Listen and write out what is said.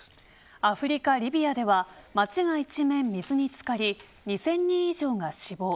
アフリカ・リビアでは街が一面水に漬かり２０００人以上が死亡。